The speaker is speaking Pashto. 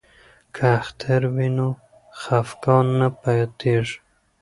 که اختر وي نو خفګان نه پاتیږي.